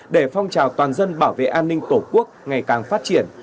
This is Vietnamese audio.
để phong trào toàn dân bảo vệ an ninh tổ quốc ngày càng phát triển